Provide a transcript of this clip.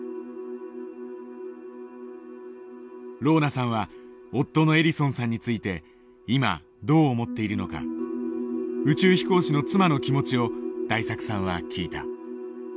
ローナさんは夫のエリソンさんについて今どう思っているのか宇宙飛行士の妻の気持ちを大作さんは聞いた。